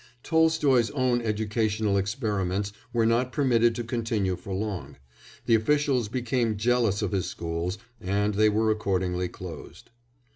Tolstoy's own educational experiments were not permitted to continue for long; the officials became jealous of his schools, and they were accordingly closed.